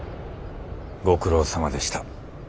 ご苦労さまでした。